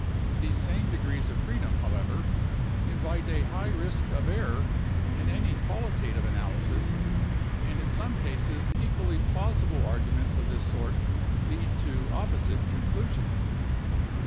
These same degrees of freedom, however, invite a high risk of error in any qualitative analysis, and in some cases equally plausible arguments of this sort lead to opposite conclusions.